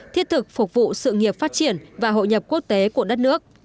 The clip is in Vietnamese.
thiết thực phục vụ sự nghiệp phát triển và hội nhập quốc tế của đất nước